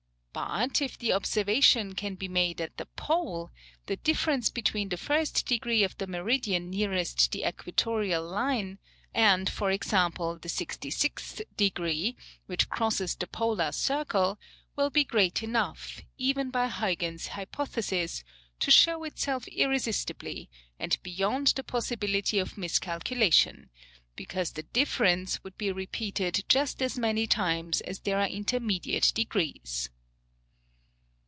But, if the observation can be made at the Pole, the difference between the first degree of the meridian nearest the equatorial line, and, for example, the sixty sixth degree, which crosses the polar circle, will be great enough, even by Huyghens' hypothesis, to show itself irresistibly, and beyond the possibility of miscalculation, because the difference would be repeated just as many times as there are intermediate degrees."